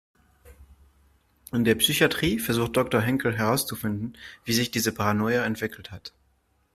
In der Psychatrie versucht Doktor Henkel herauszufinden, wie sich diese Paranoia entwickelt hat.